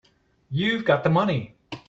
You've got the money.